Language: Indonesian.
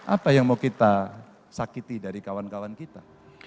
apa yang mau kita sakiti dari kawan kawan kita